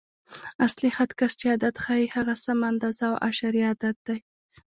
اصلي خط کش چې عدد ښیي، هغه سمه اندازه او اعشاریه عدد دی.